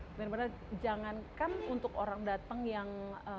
sebenarnya jangankan untuk orang datang yang